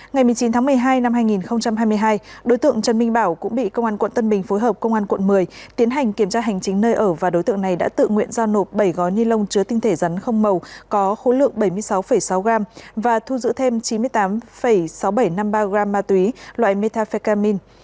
ngày một mươi chín tháng một mươi hai năm hai nghìn hai mươi hai đối tượng trần minh bảo cũng bị công an quận tân bình phối hợp công an quận một mươi tiến hành kiểm tra hành chính nơi ở và đối tượng này đã tự nguyện giao nộp bảy gói ni lông chứa tinh thể rắn không màu có khối lượng bảy mươi sáu sáu gram và thu giữ thêm chín mươi tám sáu nghìn bảy trăm năm mươi ba gram ma túy loại metafetamin